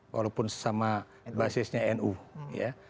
walaupun sesama basisnya nu ya